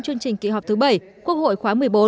chương trình kỳ họp thứ bảy quốc hội khóa một mươi bốn